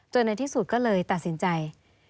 ในที่สุดก็เลยตัดสินใจ